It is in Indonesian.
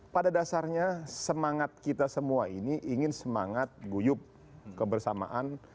pada dasarnya semangat kita semua ini ingin semangat guyup kebersamaan